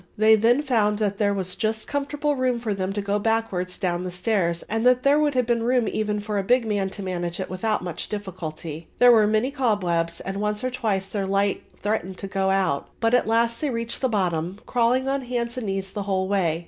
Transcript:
They then found that there was just comfortable room for them to go backwards down the stairs and that there would have been room even for a big man to manage it without much difficulty. There were many cobwebs and once or twice their light threatened to go out; but at last they reached the bottom, crawling on hands and knees the whole way.